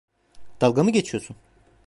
Dalga mı geçiyorsun?